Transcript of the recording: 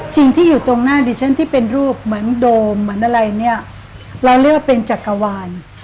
สิ่งที่อยู่ตรงหน้าดิฉันที่เป็นรูปเหมือนโดมเหมือนอะไรเนี่ยเราเรียกว่าเป็นจักรวาล